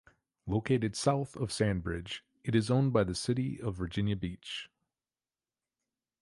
Located south of Sandbridge, it is owned by the City of Virginia Beach.